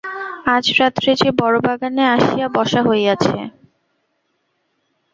আজ রাত্রে যে বড়ো বাগানে আসিয়া বসা হইয়াছে?